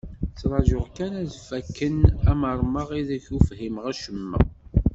Ttraǧuɣ kan ad fakken amermeɣ i deg ur fhimeɣ acemma.